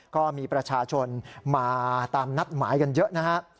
ก็มีประชาชนมาตามนัดหมายกันเยอะนะฮะ